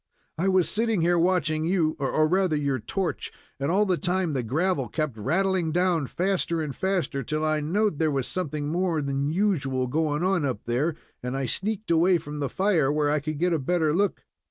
"I was sitting here watching you, or rather your torch, and all the time the gravel kept rattling down faster and faster, till I knowed there was something more than usual going on up there, and I sneaked away from the fire, where I could get a better look.